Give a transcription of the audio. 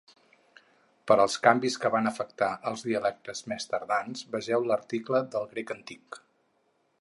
Per als canvis que van afectar els dialectes més tardans vegeu l'article del grec antic.